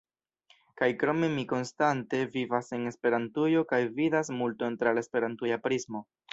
Kaj krome, mi konstante vivas en Esperantujo kaj vidas multon tra la esperantuja prismo.